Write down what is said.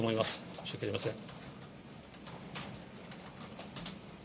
申し訳ありません。